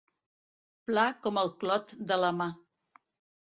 Pla com el clot de la mà.